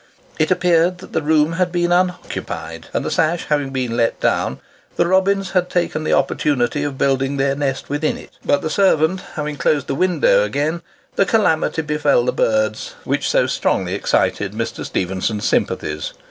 It appeared that the room had been unoccupied, and, the sash having been let down, the robins had taken the opportunity of building their nest within it; but the servant having closed the window again, the calamity befel the birds which so strongly excited Mr. Stephenson's sympathies.